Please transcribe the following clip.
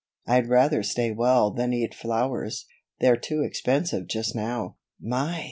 I'd rather stay well than eat flowers they're too expensive just now." "My!"